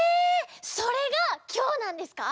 それがきょうなんですか？